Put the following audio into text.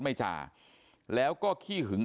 ไม่จ่าแล้วก็ขี้หึง